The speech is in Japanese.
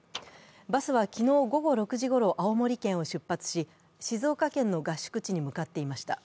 バスは昨日午後６時ごろ青森県を出発し、静岡県の合宿地に向かっていました。